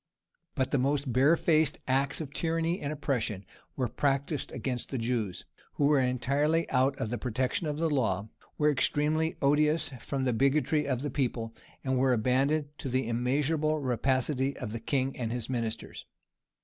But the most barefaced acts of tyranny and oppression were practised against the Jews, who were entirely out of the protection of law, were extremely odious from the bigotry of the people, and were abandoned to the immeasurable rapacity of the king and his ministers.